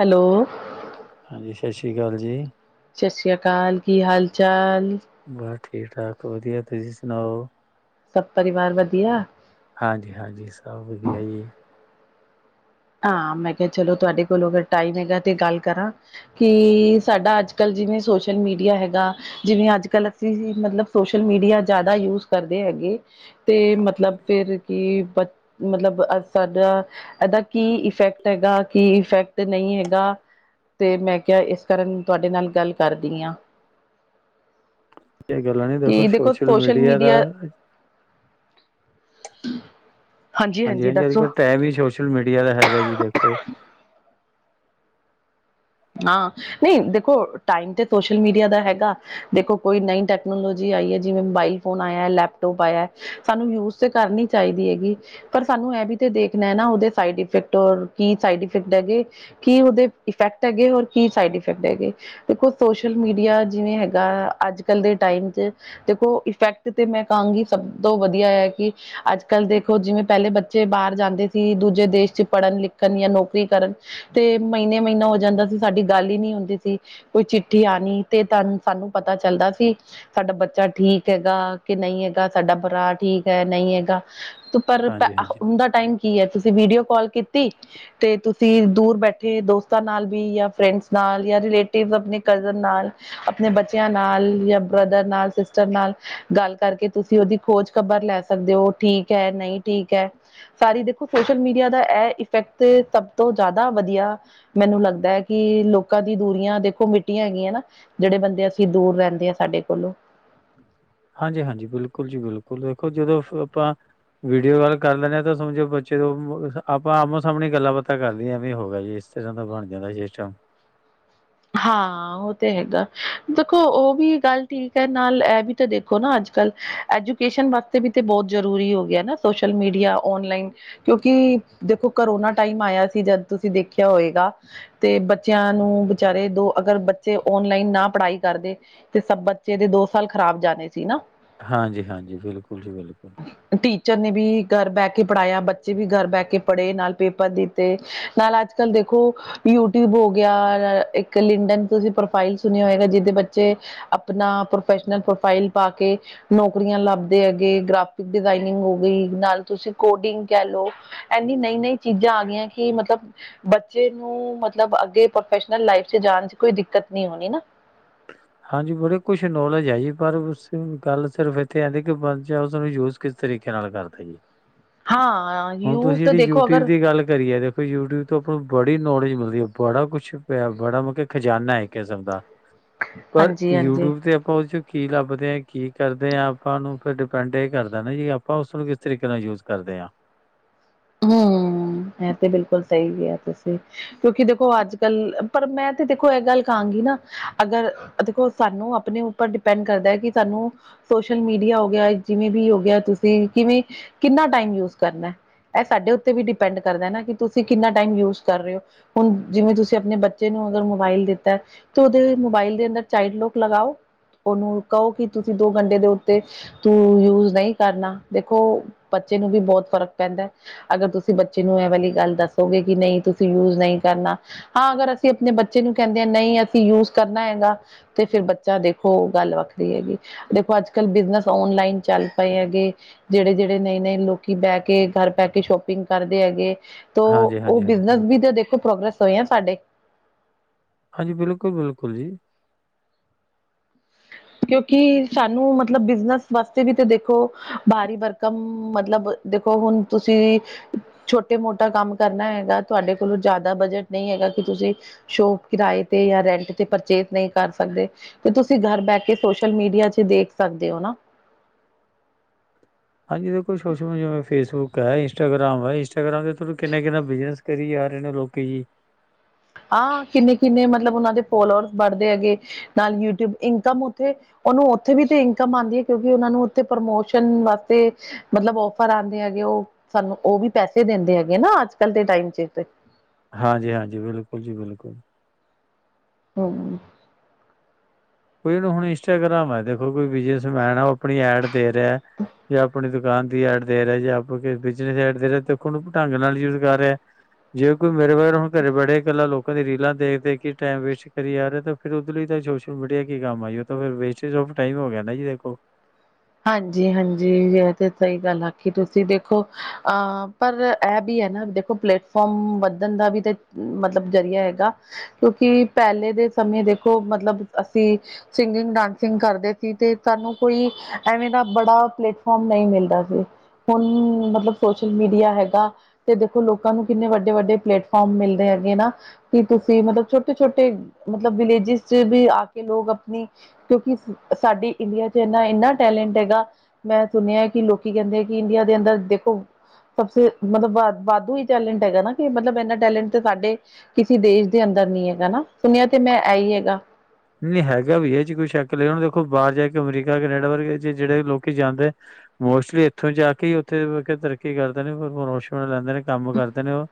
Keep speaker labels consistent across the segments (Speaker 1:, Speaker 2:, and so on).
Speaker 1: Hello.
Speaker 2: ਹਾਂਜੀ ਸਤਿ ਸ਼੍ਰੀ ਅਕਾਲ ਜੀ।
Speaker 1: ਸਤਿ ਸ੍ਰੀ ਅਕਾਲ, ਕੀ ਹਾਲ-ਚਾਲ?
Speaker 2: ਬਸ ਠੀਕ-ਠਾਕ ਵਧੀਆ ਤੁਸੀਂ ਸੁਣਾਓ?
Speaker 1: ਸਭ ਪਰਿਵਾਰ ਵਧੀਆ?
Speaker 2: ਹਾਂਜੀ-ਹਾਂਜੀ, ਸਭ ਵਧੀਆ ਜੀ।
Speaker 1: ਆਂ, ਮੈਂ ਕਿਹਾ ਚਲੋ ਤੁਹਾਡੇ ਕੋਲੋਂ ਅਗਰ ਟਾਈਮ ਹੈਗਾ ਤੇ ਗੱਲ ਕਰਾਂ। ਕਿ, ਸਾਡਾ ਅੱਜ-ਕੱਲ ਜਿਵੇਂ ਸੋਸ਼ਲ ਮੀਡੀਆ ਹੈਗਾ ਜਿਵੇਂ ਅੱਜ-ਕੱਲ ਅਸੀਂ, ਮਤਲਬ ਸੋਸ਼ਲ ਮੀਡੀਆ ਜ਼ਿਆਦਾ ਯੂਜ ਕਰਦੇ ਹੈਗੇ। ਤੇ ਮਤਲਬ ਫਿਰ ਕੀ, ਮਤਲਬ ਸਾਡਾ ਇਹਦਾਂ ਕੀ ਇਫੈਕਟ ਹੈਗਾ, ਕੀ ਇਫੈਕਟ ਨਹੀਂ ਹੈਗਾ। ਤੇ, ਮੈਂ ਕਿਹਾ ਇਸ ਕਾਰਨ ਤੁਹਾਡੇ ਨਾਲ ਗੱਲ ਕਰਦੀ ਆਂ।
Speaker 2: ਇਹ ਗੱਲਾਂ ਨੀ ਦੇਖੋ, ਸੋਸ਼ਲ ਮੀਡੀਆ ਦਾ
Speaker 1: ਹਾਂਜੀ ਹਾਂਜੀ
Speaker 2: ਹਾਂਜੀ-ਹਾਂਜੀ,
Speaker 1: ਦੱਸੋ।
Speaker 2: ਅੱਜ-ਕੱਲ ਟਾਈਮ ਈ ਸੋਸ਼ਲ ਮੀਡੀਆ ਦਾ ਹੈਗਾ ਜੀ, ਦੇਖੋ।
Speaker 1: ਹਾਂ, ਨਹੀਂ ਦੇਖੋ ਟਾਈਮ ਤੇ ਸੋਸ਼ਲ ਮੀਡੀਆ ਦਾ ਹੈਗਾ ਦੇਖੋ ਕੋਈ ਨਈ ਟੈਕਨੋਲੋਜੀ ਆਈ ਏ ਜਿਵੇਂ, ਮੋਬਾਈਲ ਫੋਨ ਆਇਆ, ਲੈਪਟੋਪ ਆਇਆ। ਸਾਨੂੰ ਯੂਜ ਤੇ ਕਰਨੀ ਚਾਹੀਦੀ ਹੈਗੀ। ਪਰ ਸਾਨੂੰ ਐ ਵੀ ਤੇ ਦੇਖਣਾ ਏ ਨਾ, ਉਹਦੇ ਸਾਈਡ ਇਫੈਕਟ, ਓਰ ਕੀ ਸਾਈਡ ਇਫੈਕਟ ਹੈਗੇ। ਕੀ ਉਹਦੇ ਇਫੈਕਟ ਹੈਗੇ, ਔਰ ਕੀ ਸਾਈਡ ਇਫੈਕਟ ਹੈਗੇ। ਦੇਖੋ ਸੋਸ਼ਲ ਮੀਡੀਆ, ਜਿਵੇਂ ਹੈਗਾ ਅੱਜ-ਕੱਲ ਦੇ ਟਾਈਮ'ਚ ਦੇਖੋ ਇਫੈਕਟ ਤੇ ਮੈਂ ਕਹਾਂਗੀ, ਸਭ ਤੋਂ ਵਧੀਆ ਐ ਕਿ ਅੱਜ-ਕੱਲ ਦੇਖੋ, ਜਿਵੇਂ ਪਹਿਲੇ ਬੱਚੇ ਬਾਹਰ ਜਾਂਦੇ ਸੀ ਦੂਜੇ ਦੇਸ਼ 'ਚ ਪੜ੍ਹਨ-ਲਿਖਣ ਯਾ ਨੌਕਰੀ ਕਰਨ। ਤੇ ਮਹੀਨੇ, ਮਹੀਨਾ ਓ ਜਾਂਦਾ ਸੀ ਸਾਡੀ ਗੱਲ ਈ ਨਹੀਂ ਹੁੰਦੀ ਸੀ, ਕੋਈ ਚਿੱਠੀ ਆਣੀ ਤੇ ਤਾਨ, ਸਾਨੂੰ ਪਤਾ ਚੱਲਦਾ ਸੀ। ਸਾਡਾ ਬੱਚਾ ਠੀਕ ਹੈਗਾ, ਕਿ ਨਹੀਂ ਹੈਗਾ, ਸਾਡਾ ਬਰਾ ਠੀਕ ਹੈ, ਨਹੀਂ ਹੈਗਾ। ਪਰ,
Speaker 2: ਹਾਂਜੀ ਹਾਂਜੀ
Speaker 1: ਹੁਨ ਦਾ ਟਾਈਮ ਕੀ ਐ, ਤੁਸੀਂ ਵੀਡੀਓ ਕੌਲ ਕੀਤੀ, ਤੇ ਤੁਸੀਂ ਦੂਰ ਬੈਠੇ ਦੋਸਤਾਂ ਨਾਲ ਵੀ ਯਾ ਫਰੈਂਡਸ ਨਾਲ, ਯਾ ਰਿਲੇਟਿਵ ਅਪਣੇ ਕਜ਼ਨ ਨਾਲ। ਅਪਣੇ ਬੱਚਿਆਂ ਨਾਲ, ਯਾ ਬ੍ਰਦਰ ਨਾਲ, ਸਿਸਟਰ ਨਾਲ, ਗੱਲ ਕਰਕੇ ਤੁਸੀਂ ਉਹਦੀ ਖੋਜ ਖਬਰ ਲੈ ਸਕਦੇ ਓ, ਠੀਕ ਹੈ, ਨਹੀਂ ਠੀਕ ਹੈ। ਸਾਰੀ ਦੇਖੋ ਸੋਸ਼ਲ ਮੀਡੀਆ ਦਾ ਐ ਇਫੈਕਟ, ਸਭ ਤੋਂ ਜ਼ਿਆਦਾ ਵਧੀਆ ਮੈਨੂੰ ਲੱਗ ਕਿ, ਲੋਕਾਂ ਦੀ ਦੂਰੀਆਂ ਦੇਖੋ ਮਿੱਟੀਆਂ ਹੈਗੀਆਂ ਨਾ। ਜਿਹੜੇ ਬੰਦੇ ਅਸੀਂ ਦੂਰ ਰਹਿੰਦੇ ਆ, ਸਾਡੇ ਕੋਲੋਂ।
Speaker 2: ਹਾਂਜੀ-ਹਾਂਜੀ, ਬਿਲਕੁਲ ਜੀ ਬਿਲਕੁਲ, ਦੇੇਖੋ ਜਦ ਆਪਾਂ ਵੀਡੀਓ ਕਾਲ ਕਰ ਲੈਂਦੇ ਆ ਤਾਂ ਸਮਝੋ ਬੱਚੇ ਤੋਂ, ਆਪਾਂ ਆਮੋ-ਸਾਹਮਣੇ ਈ ਗੱਲਾਂ ਬਾਤਾਂ ਕਰ ਲਈਆਂ ਐਵੇਂ ਹੋਗਿਆ ਜੀ, ਇਸ ਤਰ੍ਹਾਂ ਦਾ ਬਣ ਜਾਂਦਾ ਸਿਸਟਮ।
Speaker 1: ਹਾਂ, ਉਹ ਤੇ ਹੈਗਾ, ਦੇਖੋ ਉਹ ਵੀ ਗੱਲ ਠੀਕ ਐ ਨਾਲ ਐ ਵੀ ਤੇ ਦੇਖੋ ਨਾ ਅੱਜ-ਕੱਲ, ਐਜੂਕੇਸ਼ਨ ਵਾਸਤੇ ਵੀ ਤੇ ਬਹੁਤ ਜ਼ਰੂਰੀ ਹੋਗਿਆ ਨਾ, ਸੋਸ਼ਲ ਮੀਡੀਆ ਔਨਲਾਈਨ। ਕਿਉਂਕਿ, ਦੇਖੋ ਕਰੋਨਾ ਟਾਈਮ ਆਇਆ ਸੀ ਜਦ ਤੁਸੀਂ ਦੇਖਿਆ ਹੋਏਗਾ। ਤੇ ਬੱਚਿਆਂ ਨੂੰ ਵਿਚਾਰੇ, ਦੋ ਅਗਰ ਬੱਚੇ ਔਨਲਾਈਨ ਨਾ ਪੜ੍ਹਾਈ ਕਰਦੇ ਤੇ ਸਭ ਬੱਚੇ ਦੇ ਦੋ ਸਾਲ ਖ਼ਰਾਬ ਜਾਣੇ ਸੀ ਨਾ।
Speaker 2: ਹਾਂਜੀ-ਹਾਂਜੀ, ਬਿਲਕੁਲ ਜੀ ਬਿਲਕੁਲ।
Speaker 1: ਟੀਚਰ ਨੇ ਵੀ ਘਰ ਬਹਿਕੇ ਪੜ੍ਹਾਇਆ, ਬੱਚੇ ਵੀ ਘਰ ਬੈਕੇ ਪੜ੍ਹੇ ਨਾਲ ਪੇਪਰ ਦਿ ਤੇ ਨਾਲ ਅੱਜ-ਕੱਲ ਦੇਖੋ, ਯੂਟਿਊਬ ਹੋਗਿਆ ਇੱਕ ਲਿੰਡਨ ਤੁਸੀਂ ਪ੍ਰੋਫਾਈਲ ਸੁਣਿਆ ਹੋਏਗਾ ਜੀਦੇ ਬੱਚੇ ਅਪਨਾ ਪ੍ਰੋਫੈਸ਼ਨਲ ਪ੍ਰੋਫਾਈਲ ਪਾਕੇ ਨੌਕਰੀਆਂ ਲੱਭਦੇ ਹੈਗੇ, ਗ੍ਰਾਫਿਕ ਡਿਜ਼ਾਇਨਿੰਗ ਹੋ ਗਈ, ਨਾਲ ਤੁਸੀਂ ਕੋਡਿੰਗ ਕਹਿਲੋ। ਇੰਨੀ ਨਈ-ਨਈ ਚੀਜ਼ਾਂ ਆ ਗਈਆਂ, ਕਿ ਮਤਲਬ ਬੱਚੇ ਨੂੰ ਮਤਲਬ ਅੱਗੇ ਪ੍ਰੋਫੈਸ਼ਨਲ ਲਾਈਫ ਚ ਜਾਨ ਚ ਕੋਈ ਦਿੱਕਤ ਨੀ ਹੋਨੀ ਨਾ।
Speaker 2: ਹਾਂਜੀ ਬੜੇ ਕੁਛ ਨੌਲੇਜ ਹੈਗੀ ਪਰ ਗੱਲ ਸਿਰਫ ਏਥੇ ਆਂਦੀ ਕਿ ਬਸ ੳਸਨੂੰ ਯੂਜ ਕਿਸ ਤਰੀਕੇ ਨਾਲ ਕਰਦਾ ਜੀ।
Speaker 1: ਹਾਂ
Speaker 2: ਹੁਣ ਤੁਸੀ
Speaker 1: ਯੂਜ ਤਾਂ
Speaker 2: ਜੇੜੀ
Speaker 1: ਦੇਖੋ
Speaker 2: ਯੂਟਿਊਬ
Speaker 1: ਅਗਰ
Speaker 2: ਦੀ ਗੱਲ ਕਰੀਏ ਜੇ ਯੂਟਿਊਬ ਤੋਂ ਆਪਾਂ ਨੂੰ ਬੜੀ ਨੌਲੇਜ ਮਿਲਦੀ ਐ, ਬੜਾ ਕੁਛ ਪੇਆ ਬੜਾ ਮ ਕੇ ਖਜਾਨਾ ਐ ਏਕ ਕਿਸਮ ਦਾ, ਪਰ
Speaker 1: ਹਾਂਜੀ ਹਾਂਜੀ
Speaker 2: ਯੂਟੂਬ ਤੇ ਆਪਾਂ ੳਰੇ ਚ ਕੀ ਲੱਭਦੇ ਆ, ਕੀ ਕਰਦੇ ਆਂ ਆਪਾਂ ਨੂੰ ਫਿਰ ਡਿਪੈਂਡ ਏਹ ਕਰਦਾ ਨਾ ਜੀ ਆਪਾਂ ੳਸਨੂੰ ਕਿਸ ਤਰੀਕੇ ਨਾਲ ਯੂਜ ਕਰਦੇ ਆਂ।
Speaker 1: ਹੂੰ, ਐ ਤੇ ਬਿਲਕੁਲ ਸਹੀ ਵੀ ਏ ਤੁਸੀ ਕਿਉਂਕਿ ਦੇਖੋ ਅੱਜ-ਕਲ ਪਰ ਮੈਂ ਤੇ ਦੇਖੋ ਏਹ ਗੱਲ ਕਾਂਗੀ ਨਾ ਅਗਰ ਦੇਖੋ ਸਾਨੂੰ ਅਪਨੇ ਉਪਰ ਡਿਪੈਂਡ ਕਰਦਾ ਐ ਕਿ ਸਾਨੂੰ ਸੋਸ਼ਲ ਮੀਡੀਆ ਹੋ ਗਿਆ ਜਿਵੇਂ ਵੀ ਹੋ ਗਿਆ ਤੁਸੀਂ ਕਿਵੇਂ ਕਿਨਾ ਟਾਈਮ ਯੂਜ ਕਰਨਾ। ਐ ਸਾਡੇ ਉਤੇ ਵੀ ਡਿਪੈਂਡ ਕਰਦਾ ਨਾ ਕਿ ਤੁਸੀ ਕਿਨਾ ਟਾਈਮ ਯੂਜ ਕਰ ਰਏ ੳ। ਹੁਨ ਜਿਵੇਂ ਤੁਸੀ ਅਪਨੇ ਬੱਚੇ ਨੂੰ ਅਗਰ ਮੋਬਾਇਲ ਦਿੱਤਾ ਤੇ ੳਦੇ ਮੋਬਾਇਲ ਦੇ ਅੰਦਰ ਚਾਈਲਡ ਲੌਕ ਲਗਾਓ, ੳਨੂੰ ਕੳ ਕਿ ਤੁਸੀ ਦੋ ਘੰਟੇ ਦੇ ਉੱਤੇ ਯੂਜ ਨਈ ਕਰਨਾ ਦੇਖੋ ਬੱਚੇ ਨੂੰ ਵੀ ਬੋਤ ਫਰਕ ਪੈਂਦਾ। ਅਗਰ ਤੁਸੀ ਬੱਚੇ ਨੂੰ ਏਹ ਵਾਲੀ ਗੱਲ ਦੱਸੋਗੇ ਕਿ ਨਈ ਤੁਸੀ ਯੂਜ ਨਈ ਕਰਨਾ ਹਾਂ ਅਗਰ ਅਸੀ ਅਪਨੇ ਬੱਚੇ ਨੂੰ ਕੈਂਦੇ ਆ ਨਈ ਅਸੀ ਯੂਜ ਕਰਨਾ ਹੈਗਾ ਤੇ ਫੇਰ ਬੱਚਾ ਦੇਖੋ ਗੱਲ ਵੱਖਰੀ ਹੈਗੀ ਦੇਖੋ ਅੱਜ-ਕਲ ਬਿਜਨਸ ਔਨਲਾਈਨ ਚੱਲ ਪਏ ਹੈਗੇ। ਜੇੜੇ ਜੇੜੇ ਨਏ ਨਏ ਲੋਕੀ ਬੈ ਕੇ ਘਰ ਬੈ ਕੇ ਸ਼ੋਪਿੰਗ ਕਰਦੇ ਹੈਗੇ ਤੋ
Speaker 2: ਹਾਂਜੀ,
Speaker 1: ੳਹ
Speaker 2: ਹਾਂਜੀ, ਹਾਂਜੀ
Speaker 1: ਬਿਜਨਸ
Speaker 2: ਬਿਲਕੁਲ,
Speaker 1: ਵੀ ਤੇ ਦੇਖੋ ਪ੍ਰੋਗੇ੍ਸ ਹੋਏ ਆ ਸਾਡੇ।
Speaker 2: ਹਾਂਜੀ, ਬਿਲਕੁਲ ਬਿਲਕੁਲ ਜੀ।
Speaker 1: ਕਿਉਂਕਿ ਸਾਨੂੰ ਮਤਲਬ ਬਿਜਨਸ ਵਾਸਤੇ ਵੀ ਤੇ ਦੇਖੋ ਭਾਰੀ ਭਰਕਮ ਮਤਲਬ ਦੇਖੋ ਹੁਨ ਤੁਸੀ ਛੋਟੇ ਮੋਟਾ ਕੰਮ ਕਰਨਾ ਹੈਗਾ ਤੁਆਡੇ ਕੋਲੋਂ ਜਾਦਾ ਬਜਟ ਨਈ ਹੈਗਾ ਕਿ ਤੁਸੀ ਸ਼ੋਪ ਕਿਰਾਏ ਤੇ ਜਾਂ ਰੈਂਟ ਤੇ ਪਰਚੇਜ ਨਈ ਕਰ ਸਕਦੇ ਤੇ ਤੁਸੀ ਘਰ ਬੈਠੇ ਕੇ ਸੋਸ਼ਲ ਮੀਡੀਆ ਚ ਦੇਖ ਸਕਦੇ ੳ ਨਾ।
Speaker 2: ਹਾਂਜੀ ਦੇਖੋ ਸੋ਼ਸ਼ਲ ਮੀਡੀਆ ਫੇਸਬੁੱਕ ਐ, ਇੰਸਾਗ੍ਰਾਮ ਐ, ਇੰਸਟਾਗ੍ਰਾਮ ਦੇ ਤਾਨੂੰ ਕਿਨਾ-ਕਿਨਾ ਬਿਜਨਸ ਕਰੀ ਜਾ ਰੇ ਨੇ ਲੋਕੀ ਜੀ।
Speaker 1: ਹਾਂ ਕਿਨੇ ਕਿਨੇ ਮਤਲਬ ੳਨਾਂ ਦੇ ਫੋਲੋਅਰਸ ਬੜਦੇ ਹੈਗੇ ਨਾਲ ਯੂਟਿਊਬ ਇਨਕਮ ੳਥੇ ੳਨੂੰ ੳਥੇ ਵੀ ਤੇ ਇਨਕਮ ਆਂਦੀ ਏ ਕਿਉਂਕਿ ੳਨਾਂ ਨੂੰ ੳਥੇ ਪ੍ਰਮੋਸ਼ਨ ਵਾਸਤੇ ਮਤਲਬ ਔਫਰ ਆਂਦੇ ਹੈਗੇ ੳਹ ਸਾਨੂੰ ੳਵੀ ਪੈਸੇ ਦੇਂਦੇ ਹੈਗੇ ਨਾ ਅੱਜ-ਕਲ ਦੇ ਟਾਇਮ ਚ।
Speaker 2: ਹਾਂਜੀ ਹਾਂਜੀ, ਬਿਲਕੁਲ ਜੀ ਬਿਲਕੁਲ।
Speaker 1: ਹੂੰ।
Speaker 2: ਹੁਨ ਇੰਸਟਾਗ੍ਰਾਮ ਹੈ ਦੇਖੋ ਕੋਈ ਬਿਜਨਸਮੈਨ ਐ, ੳਹ ਅਪਨੀ ਐਡ ਦੇ ਰੇਆ ਜਾਂ ਅਪਨੀ ਦੁਕਾਨ ਦੀ ਐਡ ਦੇ ਰੇਆ ਜਾਂ ਅਪਨੇ ਬਿਜਨਸ ਐਡ ਦੇ ਰੇਆ ਦੇਖੋ ੳਨੂੰ ਢੰਗ ਨਾਲ ਯੁਜ਼ ਕਰ ਰੇਆ ਜੇ ਕੋਈ ਮੇਰੇ ਬਾਰ ਹੁਨ ਘਰੇ ਬੜੇ ਕਲਾ ਲੋਕਾਂ ਦੀ ਰੀਲਾਂ ਦੇਖ ਦੇਖ ਕੇ ਟਾਈਮ ਵੇਸਟ ਕਰੀ ਜਾ ਰੇ ਤੇ ਫੇਰ ੳਦੇ ਲਈ ਤਾਂ ਸੋਸ਼ਲ ਮੀਡੀਆ ਕੀ ਕੰਮ ਆਈ, ੳਹ ਤੇ ਫੇਰ ਵੇਸਟੇਜ ਔਫ ਟਾਈਮ ਹੋ ਗਿਆ ਨਾ ਜੀ ਦੇਖੋ।
Speaker 1: ਹਾਂਜੀ ਹਾਂਜੀ ਯੇ ਤੇ ਸਹੀ ਗੱਲ ਆਖੀ ਤੁਸੀ ਦੇਖੋ ਅਹ ਪਰ ਐ ਵੀ ਹੈ ਨਾ ਦੇਖੋ ਪਲੇਟਫੋਮ ਵੱਧਨ ਦਾ ਵੀ ਤੇ ਮਤਲਬ ਜਰੀਆ ਹੈਗਾ ਕਿਉਂਕਿ ਪੈਲੇ ਦੇ ਸਮੇਂ ਦੇਖੋ ਮਤਲਬ ਅਸੀ ਸਿੰਗਿਗ, ਡਾਂਸਿੰਗ ਕਰਦੇ ਸੀ ਤੇ ਸਾਨੂੰ ਕੋਈ ਐਵੇਂ ਦਾ ਬੜਾ ਪਲੇਟਫਾਰਮ ਨਈ ਮਿਲਦਾ ਸੀ, ਹੁਨ ਮਤਲਬ ਸੋਸ਼ਲ ਮੀਡੀਆ ਹੈਗਾ ਤੇ ਦੇਖੋ ਲੋਕਾਂ ਨੂੰ ਕਿਨੇ ਵੱਡੇ-ਵੱਡੇ ਪਲੇਟਫਾਰਮ ਮਿਲਦੇ ਹੈਗੇ ਨਾ। ਕੀ ਤੁਸੀਂ ਮਤਲਬ ਛੋਟੇ ਛੋਟੇ ਮਤਲਬ ਦਿਲੇਸਜਿਸ ਚ ਵੀ ਆ ਕੇ ਲੋਕ ਆਪਣੀ ਕਿਉਂਕਿ ਸਾਡੀ ਇੰਡੀਆ ਚ ਇੰਨਾ ਇੰਨਾ ਟੈਲੈਂਟ ਹੈਗਾ ਮੈਂ ਸੁਣਿਆ ਕਿ ਲੋਕੀ ਕਹਿੰਦੇ ਆ ਕਿ ਇੰਡੀਆ ਦੇ ਅੰਦਰ ਦੇਖੋ ਸਭ ਸੇ ਮਤਲਬ ਵ ਵਾਧੂ ਹੀ ਟੈਲੈਂਟ ਹੈਗਾ ਨਾ ਕਿ ਮਤਲਬ ਇਹਨਾਂ ਟੈਲੈਂਟ ਤੇ ਸਾਡੇ ਕਿਸੇ ਦੇਸ਼ ਦੇ ਅੰਦਰ ਨਹੀਂ ਹੈਗਾ ਨਾ ਸੁਣਿਆ ਤੇ ਮੈਂ ਇਹ ਹੀ ਹੈਗਾ।
Speaker 2: ਨਹੀਂ ਹੈਗਾ ਵੀ ਇਹ ਚ ਕੋਈ ਸ਼ੱਕ ਲ ਹੁਣ ਦੇਖੋ ਬਾਹਰ ਜਾ ਕੇ ਅਮਰੀਕਾ ਕੈਨੇਡਾ ਵਰਗੇ ਚ ਜਿਹੜੇ ਲੋਕੀ ਜਾਂਦੇ। ਮੋਸਟਲੀ ਇੱਥੋਂ ਜਾ ਕੇ ਹੀ ਉੱਥੇ ਤਰੱਕੀ ਕਰਦੇ ਨੇ ਰੋਸ਼ ਲੈਂਦੇ ਨੇ ਕੰਮ ਕਰਦੇ ਨੇ ਉਹ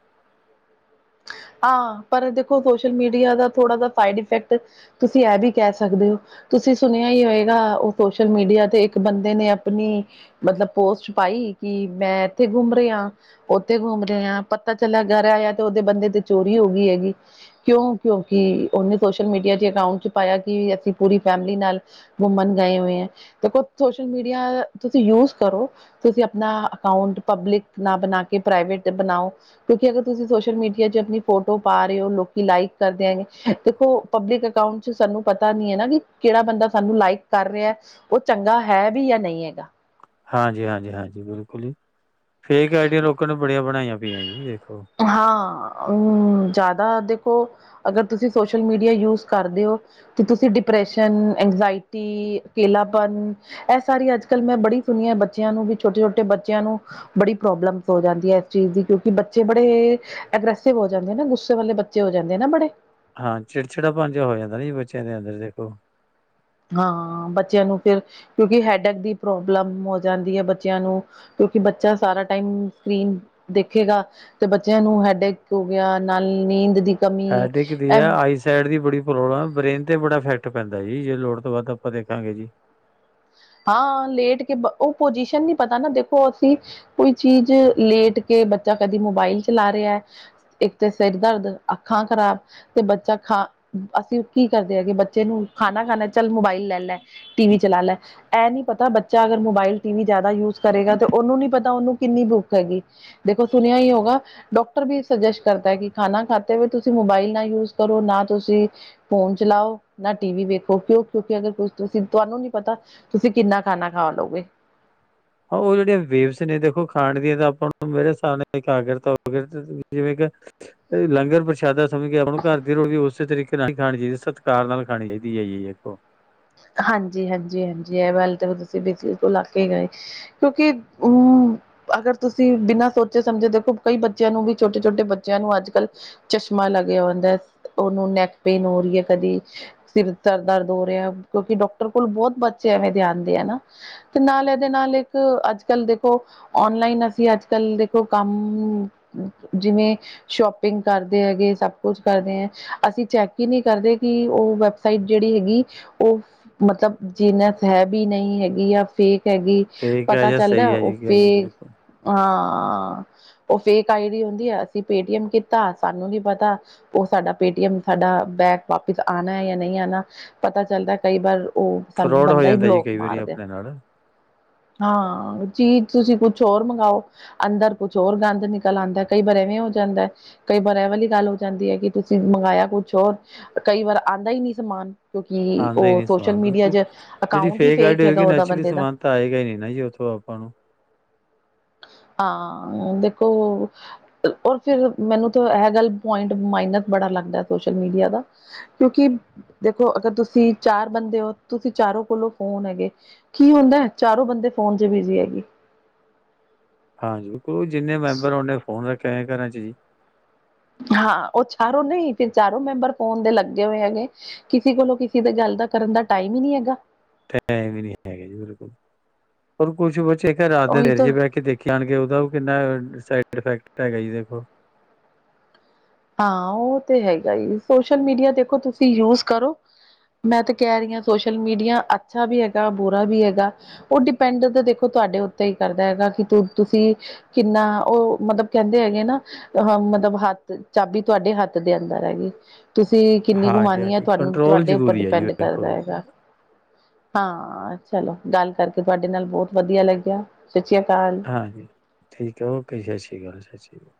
Speaker 1: ਆ ਪਰ ਦੇਖੋ ਸੋਸ਼ਲ ਮੀਡੀਆ ਦਾ ਥੋੜ੍ਹਾ ਜ ਸਾਈਡ ਇਫੈਕਟ ਤੁਸੀਂ ਐ ਵੀ ਕਹਿ ਸਕਦੇ ਹੋ ਤੁਸੀਂ ਸੁਣਿਆ ਹੀ ਹੋਏਗਾ ਉਹ ਸੋਸ਼ਲ ਮੀਡੀਆ ਤੇ ਇੱਕ ਬੰਦੇ ਨੇ ਆਪਣੀ ਮਤਲਬ ਪੋਸਟ ਪਾਈ ਕਿ ਮੈਂ ਇੱਥੇ ਘੁੰਮ ਰਿਹਾ ਉੱਥੇ ਘੁੰਮ ਰਹੇ ਆ ਪਤਾ ਚੱਲਿਆ ਘਰ ਆਇਆ ਤੇ ਉਹਦੇ ਬੰਦੇ ਤੇ ਚੋਰੀ ਹੋ ਗਈ ਹੈਗੀ ਕਿਉਂ ਕਿਉਂਕਿ ਉਹਨੇ ਸੋਸ਼ਲ ਮੀਡੀਆ ਚ ਅਕਾਊਂਟ ਚ ਪਾਇਆ ਕਿ ਅਸੀਂ ਪੂਰੀ ਫੈਮਿਲੀ ਨਾਲ ਘੁੰਮਣ ਗਏ ਹੋਏ ਹੈ ਦੇਖੋ ਸੋਸ਼ਲ ਮੀਡੀਆ ਤੁਸੀਂ ਯੂਜ ਕਰੋ ਤੁਸੀਂ ਆਪਣਾ ਅਕਾਊਂਟ ਪਬਲਿਕ ਨਾ ਬਣਾ ਕੇ ਪ੍ਰਾਈਵੇਟ ਬਣਾਓ ਕਿਉਂਕਿ ਅਗਰ ਤੁਸੀਂ ਸੋਸ਼ਲ ਮੀਡੀਆ ਚ ਆਪਣੀ ਫੋਟੋ ਪਾ ਰਹੇ ਹੋ ਲੋਕੀ ਲਾਈਕ ਕਰਦੇਿਆਂਗੇ ਦੇਖੋ ਪਬਲਿਕ ਅਕਾਊਂਟ ਕੁਛ ਸਾਨੂੰ ਪਤਾ ਨੀ ਹੈ ਨਾ ਕਿ ਕਿਹੜਾ ਬੰਦਾ ਸਾਨੂੰ ਲਾਈਕ ਕਰ ਰਿਹਾ ਉਹ ਚੰਗਾ ਹੈ ਵੀ ਜਾਂ ਨਹੀਂ ਹੈਗਾ
Speaker 2: ਹਾਂਜੀ ਹਾਂਜੀ ਹਾਂਜੀ ਬਿਲਕੁਲ ਜੀ ਫੇਕ ਆਈਡੀਆ ਲੋਕਾਂ ਨੂੰ ਬੜੀਆਂ ਬਣਾਈਆਂ ਪਈਆਂ ਜੀ ਦੇਖੋ
Speaker 1: ਹਾਂ ਉਹ ਜ਼ਿਆਦਾ ਦੇਖੋ ਅਗਰ ਤੁਸੀਂ ਸੋਸ਼ਲ ਮੀਡੀਆ ਯੂਜ ਕਰਦੇ ਹੋ ਤੇ ਤੁਸੀਂ ਡਿਪ੍ਰੈਸ਼ਨ ਇੰਜਾਇਟੀ ਅ ਕੇਲਾਪਨ ਇਹ ਸਾਰੀ ਅੱਜ ਕੱਲ੍ਹ ਮੈਂ ਬੜੀ ਸੁਣੀਆਂ ਬੱਚਿਆਂ ਨੂੰ ਵੀ ਛੋਟੇ ਛੋਟੇ ਬੱਚਿਆਂ ਨੂੰ ਬੜੀ ਪ੍ਰੋਬਲਮਸ ਹੋ ਜਾਂਦੀ ਹੈ ਇਸ ਚੀਜ਼ ਦੀ ਕਿਉਂਕਿ ਬ ਬੱਚੇ ਬੜੇ ਅਗ੍ਰਸਿਵ ਹੋ ਜਾਂਦੇ ਨਾ ਗੁੱਸੇ ਵਾਲੇ ਬੱਚੇ ਹੋ ਜਾਂਦੇ ਨਾ ਬੜੇ
Speaker 2: ਹਾਂ ਚਿੜਚਿੜਾ ਭਣ ਹੋ ਜਾਂਦਾ ਨਾ ਬੱਚਿਆਂ ਦੇ ਅੰਦਰ ਦੇਖੋ
Speaker 1: ਹਾਂ ਬੱਚਿਆਂ ਨੂੰ ਫਿਰ ਕਿਉਂਕਿ ਹੈਡਕ ਦੀ ਪ੍ਰੋਬਲਮ ਹੋ ਜਾਂਦੀ ਹੈ ਬੱਚਿਆਂ ਨੂੰ ਕਿਉਂਕਿ ਬੱਚਾ ਸਾਰਾ ਟਾਈਮ ਸਕਰੀਨ ਦੇਖੇਗਾ ਤੇ ਬੱਚਿਆਂ ਨੂੰ ਹੈਡਕ ਹੋ ਗਿਆ ਨਾਲ ਨੀਂਦ ਦੀ ਕਮੀ
Speaker 2: ਐਡਿਕ ਦੀ
Speaker 1: ਇਹ
Speaker 2: ਹੈ ਆਈ ਸੈਡ ਦੀ ਬੜੀ ਪ੍ਰੋਬਲਮ ਹੈ ਬ੍ਰੇਨ ਤੇ ਬੜਾ ਇਫੈਕਟ ਪੈਂਦਾ ਜੀ ਜੇ ਲੋੜ ਤੋਂ ਬਾੱਦ ਆਪਾਂ ਦੇਖਾਂਗੇ ਜੀ
Speaker 1: ਹਾਂ ਲੇਟ ਕੇ ਉਹ ਪਜੀਸ਼ਨ ਨੀ ਪਤਾ ਨਾ ਦੇਖੋ ਅਸੀਂ ਕੋਈ ਚੀਜ਼ ਲੇਟ ਕੇ ਬੱਚਾ ਕਦੀ ਮੋਬਾਈਲ ਚਲਾ ਰਿਹਾ ਹੈ ਇੱਕ ਤੇ ਸਿਰ ਦਰਦ ਅੱਖਾਂ ਖਰਾਬ ਤੇ ਬੱਚਾ ਖਾ ਅਸੀਂ ਕੀ ਕਰਦੇ ਆ ਕਿ ਬੱਚੇ ਨੂੰ ਖਾਣਾ ਖਾਣਾ ਚੱਲ ਮੋਬਾਈਲ ਲੈ ਲੈ ਟੀ ਵੀ ਚਲਾ ਲੈ ਇਹ ਨੀ ਪਤਾ ਬੱਚਾ ਅਗਰ ਮੋਬਾਇਲ ਟੀ ਵੀ ਜ਼ਿਆਦਾ ਯੂਜ ਕਰੇਗਾ ਤੇ ਉਹਨੂੰ ਨੀ ਪਤਾ ਉਹਨੂੰ ਕਿੰਨੀ ਭੁੱਖ ਹੈਗੀ ਦੇਖੋ ਸੁਣਿਆ ਹੀ ਹੋਗਾ ਡਾਕਟਰ ਵੀ ਸੁਜੈਸਟ ਕਰਦਾ ਕਿ ਖਾਣਾ ਖਾਤੇ ਹੋਏ ਤੁਸੀਂ ਮੋਬਾਈਲ ਨਾ ਯੂਜ ਕਰੋ ਨਾ ਤੁਸੀਂ ਫੋਨ ਚਲਾਓ ਨਾ ਟੀ ਵੀ ਵੇਖੋ ਕਿਉਂ ਕਿਉਂਕਿ ਅਗਰ ਕੁਛ ਤੁਸੀਂ ਤੁਹਾਨੂੰ ਨੀ ਪਤਾ ਤੁਸੀਂ ਕਿੰਨਾ ਖਾਣਾ ਖਾ ਲਓਗੇ
Speaker 2: ਉਹ ਜਿਹੜੀਆਂ ਵੇਬਸ ਨੇ ਦੇਖੋ ਖਾਣਡਵੀਆ ਤਾਂ ਆਪਾਂ ਮੇਰੇ ਹਿਸਾਬ ਨਾਲ ਇਕਗਰਤ ਤੋ ਜਿਵੇਂ ਕੇ ਲੰਗਰ ਪ੍ਰਸ਼ਾਦਾ ਸਮਝ ਕੇ ਆਪਾਂ ਨੂੰ ਘਰ ਦੀ ਰੋਟੀ ਉਸੇ ਤਰੀਕੇ ਨਾਲ ਹੀ ਖਾਣੀ ਚਾਹੀਦੀ ਸਤਿਕਾਰ ਨਾਲ ਖਾਣੀ ਚਾਹੀਦੀ ਹੈ ਜੀ ਦੇਖੋ
Speaker 1: ਹਾਂਜੀ ਹਾਂਜੀ ਹਾਂਜੀ ਇਹ ਵੱਲ ਤੇ ਤੁਸੀਂ ਬ ਤੋਂ ਲੱ ਕੇ ਗਏ ਕਿਉਂਕਿ ਉਹ ਅਗਰ ਤੁਸੀਂ ਬਿਨਾਂ ਸੋਚੇ ਸਮਝੇ ਦੇਖੋ ਕਈ ਬੱਚਿਆਂ ਨੂੰ ਵੀ ਛੋਟੇ ਛੋਟੇ ਬੱਚਿਆਂ ਨੂੰ ਅੱਜ- ਕੱਲ੍ਹ। ਚਸ਼ਮਾ ਲੱਗਿਆ ਹੁੰਦਾ। ਉਹਨੂੰ ਨੈਕ ਪੇਨ ਹੋ ਰਹੀ ਹੈ ਕਦੇ ਸਿਰ ਦਰਦ ਹੋ ਰਿਹਾ। ਕਿਉਂਕਿ ਡਾਕਟਰ ਕੋਲ ਬਹੁਤ ਬੱਚੇ ਐਵੇਂ ਦੇ ਆਉਦੇ ਨਾ। ਤੇ ਨਾਲ ਇਹਦੇ ਨਾਲ ਇੱਕ ਅੱਜ -ਕੱਲ੍ਹ ਦੇਖੋ। ਔਨਲਾਈਨ ਅਸੀਂ ਅੱਜ- ਕੱਲ ਦੇਖੋ ਕੰਮ ਜਿਵੇਂ ਸ਼ੋਪਿੰਗ ਕਰਦੇ ਹੈਗੇ ਸਭ ਕੁਛ ਕਰਦੇ ਹੈ। ਅਸੀਂ ਚੈੱਕ ਹੀ ਨਹੀਂ ਕਰਦੇ। ਕਿ ਉਹ ਸਾਈਡ ਜਿਹੜੀ ਹੈਗੀ। ਉਹ ਮਤਲਬ ਜੀਨਸ ਹੈ ਵੀ ਨਹੀਂ ਹੈਗੀ ਆ। ਫੇਕ ਹੈਗੀ।
Speaker 2: ਫੇਕ ਹੈ
Speaker 1: ਪਤਾ
Speaker 2: ਜਾਂ
Speaker 1: ਚੱਲਦਾ।
Speaker 2: ਸਹੀ ਹੈ
Speaker 1: ਉਹ
Speaker 2: ਜੀ
Speaker 1: ਫੇਕ
Speaker 2: ਬਿਲਕੁਲ
Speaker 1: ਹਾਂ ਉਹ ਫੇਕ ਆਈ ਡੀ ਹੁੰਦੀ ਹੈ। ਅਸੀਂ ਪੇਟੀਐਮ ਕੀਤਾ। ਸਾਨੂੰ ਨੀ ਪਤਾ। ਉਹ ਸਾਡਾ ਪੇਟੀਐਮ। ਸਾਡਾ ਬੈਗ ਵਾਪਿਸ ਆਉਣਾ ਜਾਂ ਨਹੀਂ ਆਉਣਾ। ਪਤਾ ਚੱਲਦਾ ਕਈ ਵਾਰ। ਉਹ ਸਾਨੂੰ
Speaker 2: ਫਰੋਡ ਹੋ
Speaker 1: ਬੰਦਾ ਹੀ
Speaker 2: ਜਾਂਦਾ ਜੀ
Speaker 1: ਬਲੋਕ
Speaker 2: ਕਈ ਵਾਰੀ
Speaker 1: ਮਾਰਦੇ।
Speaker 2: ਆਪਣੇ ਨਾਲ
Speaker 1: ਹਾਂ। ਚੀਜ਼ ਤੁਸੀਂ ਕੁਛ ਹੋਰ ਮੰਗਾਵਾਓ ਅੰਦਰ ਕੁਛ ਹੋਰ ਗੰਦ ਨਿਕਲ ਆਉਂਦਾ। ਕਈ ਵਾਰ ਐਵੇਂ ਹੋ ਜਾਂਦਾ ਏ। ਕਈ ਵਾਰ ਇਹ ਵਾਲੀ ਗੱਲ ਹੋ ਜਾਂਦੀ ਏ ਕਿ ਤੁਸੀਂ ਮੰਗਵਾਆ ਕੁਛ ਹੋਰ। ਕਈ ਵਾਰ ਆਉਂਦਾ ਹੀ ਨਹੀਂ ਸਮਾਨ। ਕਿਉਂਕਿ ਕਿ
Speaker 2: ਆਉਂਦਾ ਹੀ
Speaker 1: ਉਹ
Speaker 2: ਨਹੀਂ
Speaker 1: ਸੋਸ਼ਲ
Speaker 2: ਸਮਾਨ
Speaker 1: ਮੀਡੀਆ
Speaker 2: ਬਿਲਕੁਲ।
Speaker 1: ਚ
Speaker 2: ਜਿਹੜੀ
Speaker 1: ਅਕਾਊਂਟ ਹੀ
Speaker 2: ਆਈਡੀ
Speaker 1: ਫੇਕ ਹੈਗਾ।
Speaker 2: ਹੋਏਗੀ
Speaker 1: ਉਹਦਾ
Speaker 2: ਨੈਚੁਰਲੀ
Speaker 1: ਬੰਦੇ ਦਾ
Speaker 2: ਸਮਾਨ ਤਾਂ ਆਏਗਾ ਹੀ ਨੀ ਨਾ ਜੀ ਉੱਥੋਂ ਆਪਾਂ ਨੂੰ।
Speaker 1: ਹਾਂ ਹੂ ਦੇਖੋ। ਔਰ ਫਿਰ। ਮੈਨੂੰ ਤਾਂ ਇਹ ਗੱਲ ਪੁਇੰਟ ਮਾਈਨਤ ਬੜਾ ਲੱਗਦਾ ਸੋਸ਼ਲ ਮੀਡੀਆ ਦਾ। ਕਿਉਂਕਿ? ਦੇਖੋ ਅਗਰ ਤੁਸੀਂ ਚਾਰ ਬੰਦੇ ਹੋ। ਤੁਸੀਂ ਚਾਰੋ ਕੋਲੋਂ ਫੋਨ ਹੈਗੇ। ਕੀ ਹੁੰਦਾ? ਚਾਰੋਂ ਬੰਦੇ ਫੋਨ ਚ ਬਿਜੀ ਹੈਗੇ।
Speaker 2: ਹਾਂਜੀ। ਕੋ ਜਿੰਨੇ ਮੈਂਬਰ ਉਹਨੇ ਫੋਨ ਰੱਖਿਆ ਹੋ ਘਰਾਂ ਚ ਜੀ
Speaker 1: ਹਾਂ ਉਹ ਚਾਰੋਂ ਨਹੀਂ। ਫਿਰ ਚਾਰੋਂ ਮੈਂਬਰ ਫੋਨ ਦੇ ਲੱਗੇ ਹੋਏ ਹੈਗੇ। ਕਿਸੇ ਕੋਲੋਂ ਕਿਸੇ ਦੇ ਗੱਲ ਦਾ ਕਰਨ ਦਾ ਟਾਈਮ ਹੀ ਨਹੀਂ ਹੈਗਾ।
Speaker 2: ਟਾਈਮ ਵੀ ਨੀ ਹੈਗੇ। ਜੀ ਬਿਲਕੁਲ। ਔਰ ਕੁਛ ਬੱਚੇ ਘਰ ਰਾਤ
Speaker 1: ਉਹੀ
Speaker 2: ਦੇਰ
Speaker 1: ਤਾਂ
Speaker 2: ਜੇ ਬਹਿ ਕੇ ਦੇਖ ਆਣ ਕੇ ਉਹਦਾ ਵੀ ਕਿੰਨਾ ਸਾਈਡ ਇਫੈਕਟ ਹੈਗਾ। ਜੀ ਦੇਖੋ।
Speaker 1: ਹਾਂ ਉਹ ਤੇ ਹੈਗਾ ਈ। ਸੋਸ਼ਲ ਮੀਡੀਆ ਦੇਖੋ ਤੁਸੀਂ ਯੂਜ ਕਰੋ। ਮੈਂ ਤੇ ਕਹਿ ਰਹੀ ਹਾਂ। ਸੋਸ਼ਲ ਮੀਡੀਆ ਅੱਛਾ ਵੀ ਹੈਗਾ। ਬੁਰਾ ਵੀ ਹੈਗਾ। ਉਹ ਡਿਪੈਂਡ ਤੇ ਦੇਖੋ ਤੁਹਾਡੇ ਉੱਤੇ ਹੀ ਕਰਦਾ ਹੈਗਾ। ਕਿ ਤੁਸੀਂ ਕਿੰਨਾ? ਉਹ ਮਤਲਬ ਕਹਿੰਦੇ ਹੈਗੇ ਨਾ। ਅਹ ਮਤਲਬ ਹੱਥ ਚਾਬੀ ਤੁਹਾਡੇ ਹੱਥ ਦੇ ਅੰਦਰ ਹੈਗੀ। ਤੁਸੀਂ ਕਿੰਨੀ ਗੁਮਾਉਣੀ ਹੈ।
Speaker 2: ਹਾਂਜੀ-ਹਾਂਜੀ
Speaker 1: ਤੁਹਾਨੂੰ
Speaker 2: ਕੰਟਰੋਲ
Speaker 1: -ਤੁਹਾਡੇ ਉੱਪਰ
Speaker 2: ਜ਼ਰੂਰੀ ਹੈ ਜੀ
Speaker 1: ਡਿਪੈਂਡ
Speaker 2: ਵੇਖੋ
Speaker 1: ਕਰਦਾ ਹੈਗਾ। ਹਾਂ। ਚਲੋ ਗੱਲ ਕਰਕੇ ਤੁਹਾਡੇ ਨਾਲ ਬਹੁਤ ਵਧੀਆ ਲੱਗਿਆ। ਸਸਿ ਸ੍ਰੀ ਅਕਾਲ।
Speaker 2: ਹਾਂਜੀ। ਠੀਕ ਹੈ। ਓਕੇ ਸਸਿ ਅਕਾਲ - ਸਸਿ ਕਾਲ।